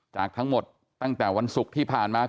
จากทั้งหมดตั้งแต่วันศุกร์ที่ผ่านมา